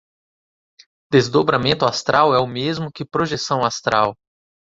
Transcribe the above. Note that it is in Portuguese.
Desdobramento astral é o mesmo que projeção astral